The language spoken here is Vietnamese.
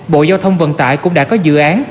bộ giao thông vận tải cũng đã có dự án